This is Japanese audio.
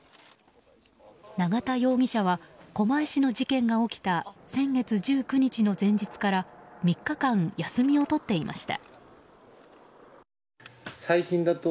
永田容疑者は狛江市の事件が起きた先月１９日の前日から３日間、休みを取っていました。